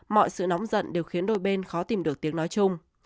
mọi sự nóng giận đều khiến đôi bên khó tìm được tiếng nói chung